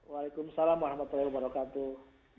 waalaikumsalam warahmatullahi wabarakatuh